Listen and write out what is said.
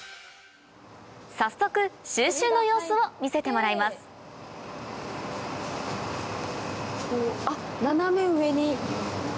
早速収集の様子を見せてもらいます斜め上に。